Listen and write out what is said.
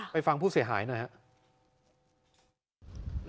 ฟังผู้เสียหายหน่อยครับ